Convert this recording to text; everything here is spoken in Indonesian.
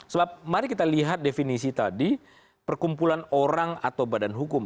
sebab mari kita lihat definisi tadi perkumpulan orang atau badan hukum